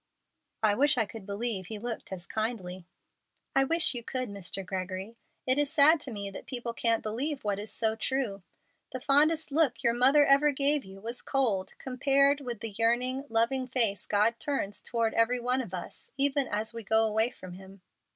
"I wish I could believe He looked as kindly." "I wish you could, Mr. Gregory. It is sad to me that people can't believe what is so true. The fondest look your mother ever gave you was cold compared with the yearning, loving face God turns toward every one of us, even as we go away from Him."